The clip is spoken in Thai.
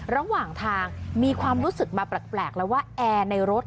ระหว่างทางมีความรู้สึกมาแปลกแล้วว่าแอร์ในรถ